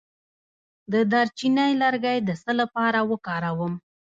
د دارچینی لرګی د څه لپاره وکاروم؟